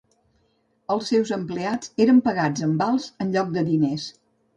Els seus empleats eren pagats en vals en lloc de diners.